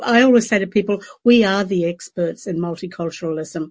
jadi saya selalu mengatakan kepada orang orang kami adalah para ekspert di multikulturalisme